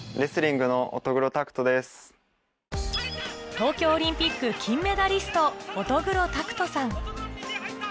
東京オリンピック金メダリスト乙黒拓斗さん